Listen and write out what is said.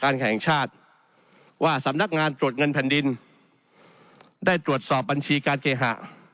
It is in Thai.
แห่งชาติว่าสำนักงานตรวจเงินแผ่นดินได้ตรวจสอบบัญชีการเคหะ